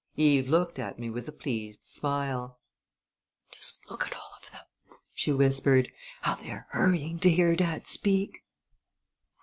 Eve looked at me with a pleased smile. "Just look at all of them," she whispered, "how they are hurrying to hear dad speak!"